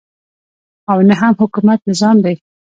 او نه هم حکومت نظام دی.